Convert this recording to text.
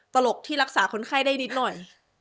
ตลกที่รักษาคนไข้ได้นิดหน่อย